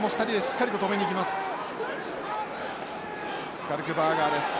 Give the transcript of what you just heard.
スカルクバーガーです。